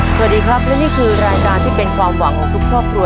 สวัสดีครับและนี่คือรายการที่เป็นความหวังของทุกครอบครัว